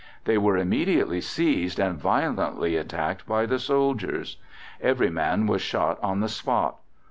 They were immediately seized and violently attacked by the soldiers. Every man was shot on the spot.